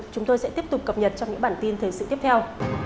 chúng tôi sẽ tiếp tục cập nhật trong những bản tin thời sự tiếp theo